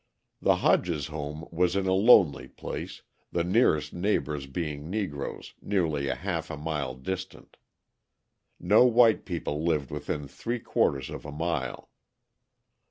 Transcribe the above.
The Hodges home was in a lonely place, the nearest neighbours being Negroes, nearly half a mile distant. No white people lived within three quarters of a mile.